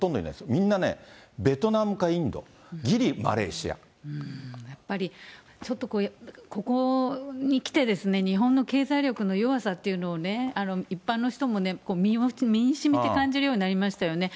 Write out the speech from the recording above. みんなね、ベトナムかインド、やっぱりちょっとここに来て、日本の経済力の弱さというのをね、一般の人も身にしみて感じるようになりましたよね。